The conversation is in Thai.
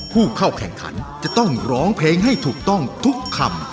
ผู้เข้าแข่งขันจะต้องร้องเพลงให้ถูกต้องทุกคำ